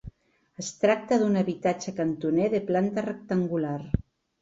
Es tracta d'un habitatge cantoner de planta rectangular.